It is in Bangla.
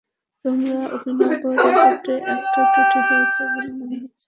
তোমার অভিনব রোবটে একটা ত্রুটি হয়েছে বলে মনে হচ্ছে।